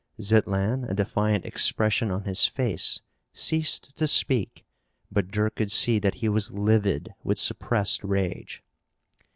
Zitlan, a defiant expression on his face, ceased to speak, but Dirk could see that he was livid with suppressed rage.